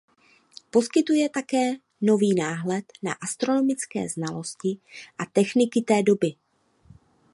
Poskytuje také nový náhled na astronomické znalosti a techniky té doby.